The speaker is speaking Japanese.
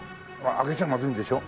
開けちゃまずいんでしょ？